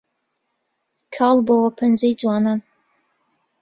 کاڵ بۆوە پەنجەی جوانان